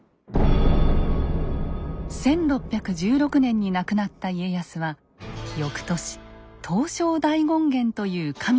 １６１６年に亡くなった家康は翌年東照大権現という神になります。